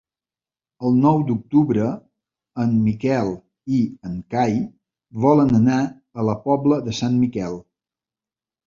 El nou d'octubre en Miquel i en Cai volen anar a la Pobla de Sant Miquel.